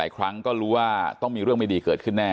ครั้งก็รู้ว่าต้องมีเรื่องไม่ดีเกิดขึ้นแน่